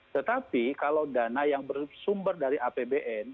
tetapi kalau dana yang bersumber dari apbn